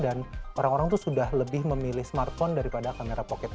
dan orang orang itu sudah lebih memilih smartphone daripada kamera pocket